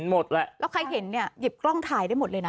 หมดแหละแล้วใครเห็นเนี่ยหยิบกล้องถ่ายได้หมดเลยนะ